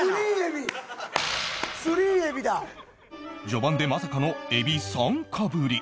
序盤でまさかのエビ３かぶり